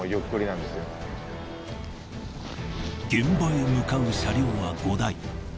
現場へ向かう車両は５台。